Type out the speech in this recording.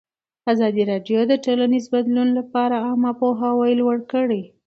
ازادي راډیو د ټولنیز بدلون لپاره عامه پوهاوي لوړ کړی.